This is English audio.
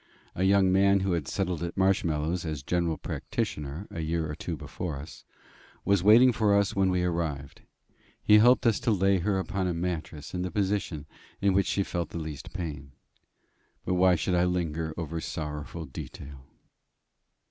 A young man who had settled at Marshmallows as general practitioner a year or two before, was waiting for us when we arrived. He helped us to lay her upon a mattress in the position in which she felt the least pain. But why should I linger over the sorrowful detail?